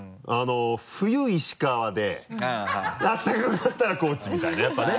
冬石川で暖かくなったら高知みたいなやっぱね。